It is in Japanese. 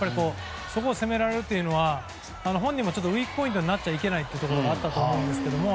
そこを責められるというのは本人もウィークポイントになっちゃいけないところがあったと思うんですけれども。